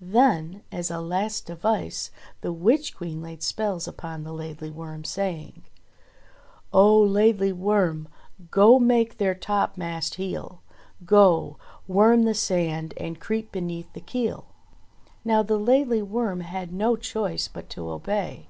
Then, as a last device, the Witch Queen laid spells upon the Laidly Worm, saying : "Oh ! Laidly Worm ! Go make their topmast heel, Go ! Worm the sand, and creep beneath the keel." Now the Laidly Worm had no choice but to obey.